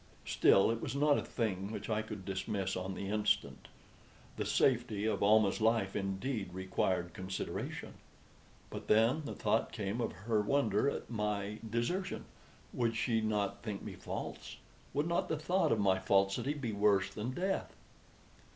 Still it was not a thing which I could dismiss on the instant. The safety of Almah's life, indeed, required consideration; but then the thought came of her wonder at my desertion. Would she not think me false? Would not the thought of my falsity be worse than death?